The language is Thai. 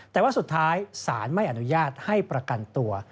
แต่ว่าสุดท้ายศาลไม่อนุญาตให้ประกันตัว